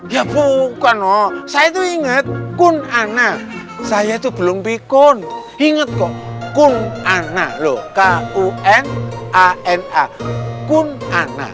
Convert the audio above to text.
ya bukan noh saya tuh inget kun ana saya tuh belum bikun inget kok kun ana loh k u n a n a kun ana